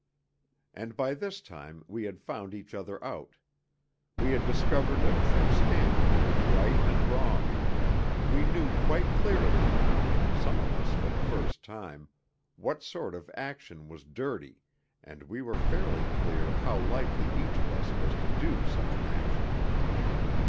II And by this time we had found each other out. We had discovered a true standard of right and wrong; we knew quite clearly now, some of us for the first time, what sort of action was 'dirty,' and we were fairly clear how likely each of us was to do such an action.